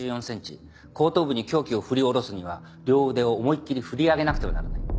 後頭部に凶器を振り下ろすには両腕を思いっきり振り上げなくてはならない。